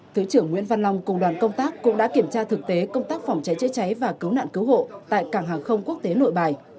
thứ trưởng nguyễn văn long cùng đoàn công tác cũng đã kiểm tra thực tế công tác phòng cháy chữa cháy và cứu nạn cứu hộ tại cảng hàng không quốc tế nội bài